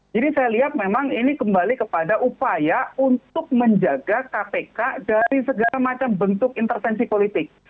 jadi saya lihat memang ini kembali kepada upaya untuk menjaga kpk dari segala macam bentuk intervensi politik